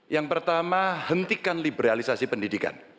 yang pertama hentikan liberalisasi pendidikan